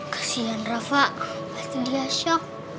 kasian rafa pasti dia shock